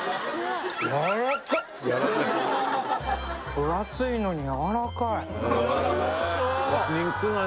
分厚いのにやわらかい肉がね